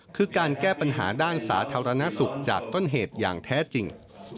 คือการแก้ปัญหาด้านสาธารณสุขจากต้นเหตุอย่างแท้จริง